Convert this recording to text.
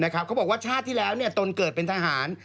เขาบอกว่าชาติที่แล้วตนเกิดเป็นทหาร